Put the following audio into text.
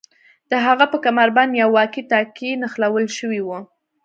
د هغه په کمربند یو واکي ټاکي نښلول شوی و